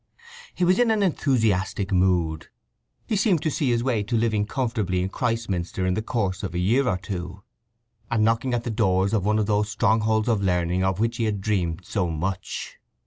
He was in an enthusiastic mood. He seemed to see his way to living comfortably in Christminster in the course of a year or two, and knocking at the doors of one of those strongholds of learning of which he had dreamed so much.